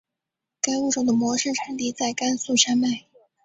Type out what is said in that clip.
该物种的模式产地在甘肃山脉。